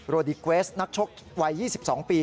ดิเกวสนักชกวัย๒๒ปี